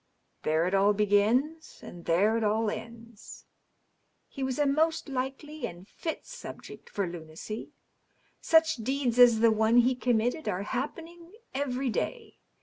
There it all b^ins, and there it all ends. He was a most likely and fit subject for lunacy. Such deeds as the one he committed are happening every day.